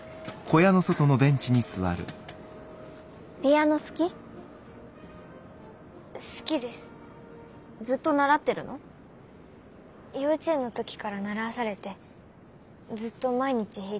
幼稚園の時から習わされてずっと毎日弾いてました。